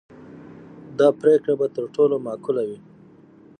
دا پرېکړه به تر ټولو معقوله وي.